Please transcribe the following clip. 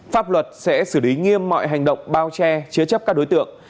pháp luật sẽ xử lý nghiêm mọi hành động bao che chứa chấp các đối tượng